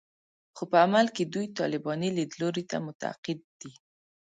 خو په عمل کې دوی طالباني لیدلوري ته معتقد دي